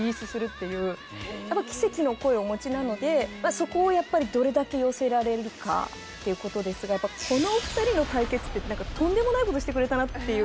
そこをやっぱりどれだけ寄せられるかっていうことですがやっぱこのお二人の対決って何かとんでもないことしてくれたなっていう